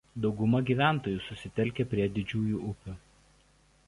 Dauguma gyventojų susitelkę prie didžiųjų upių.